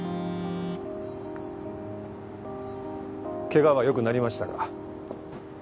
怪我は良くなりましたか？